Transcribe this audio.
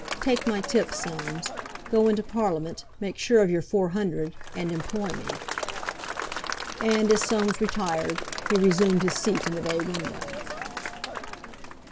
Take my tip, Soames; go into Parliament, make sure of your four hundred—and employ me." And, as Soames retired, he resumed his seat in the bay window.